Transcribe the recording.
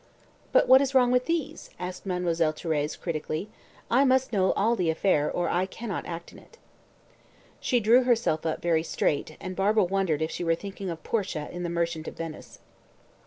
"But what is wrong with these?" asked Mademoiselle Thérèse critically. "I must know all the affair or I cannot act in it." She drew herself up very straight, and Barbara wondered if she were thinking of Portia in the Merchant of Venice.